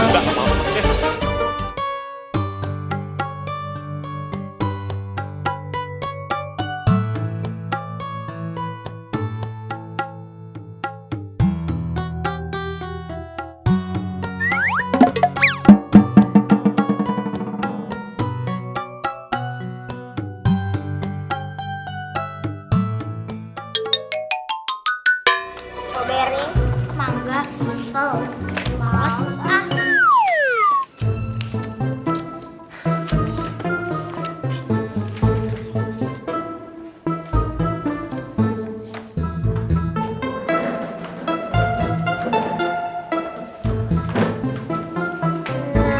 beri mangga selesai